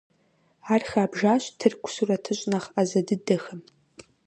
Ар хабжащ тырку сурэтыщӀ нэхъ Ӏэзэ дыдэхэм.